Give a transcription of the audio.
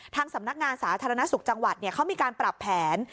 ทางสำนักงานสาธารณสุขจังหวัดเขามีการปรับแผน